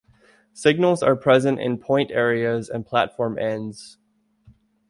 Signals are present in point areas and platform ends.